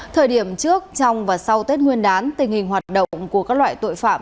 thời điểm trước trong và sau tết nguyên đán tình hình hoạt động của các loại tội phạm